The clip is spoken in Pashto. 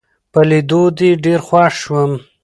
په لیدو دي ډېر خوښ شوم